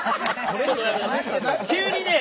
急にね